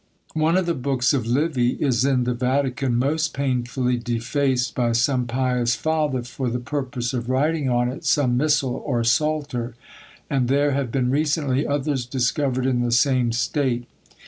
One of the books of Livy is in the Vatican most painfully defaced by some pious father for the purpose of writing on it some missal or psalter, and there have been recently others discovered in the same state.